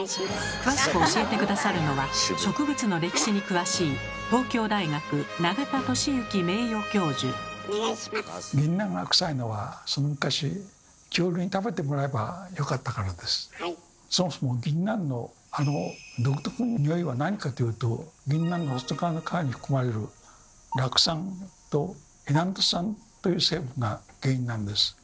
詳しく教えて下さるのは植物の歴史に詳しいその昔そもそもぎんなんのあの独特なニオイは何かというとぎんなんの外側の皮に含まれる「酪酸」と「エナント酸」という成分が原因なんです。